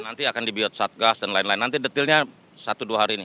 nanti akan dibuat satgas dan lain lain nanti detailnya satu dua hari ini